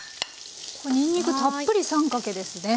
にんにくたっぷり３かけですね。